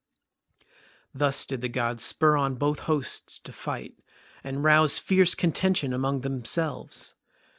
Thus did the gods spur on both hosts to fight, and rouse fierce contention also among themselves.